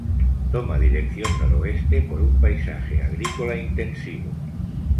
Toma dirección noroeste por un paisaje agrícola intensivo.